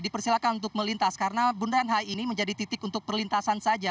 dipersilakan untuk melintas karena bundaran hi ini menjadi titik untuk perlintasan saja